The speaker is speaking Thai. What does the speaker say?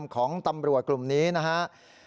ของตำรวจกลุ่มนี้นะครับ